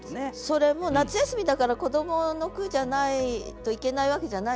それも「夏休」だから子どもの句じゃないといけないわけじゃないでしょ。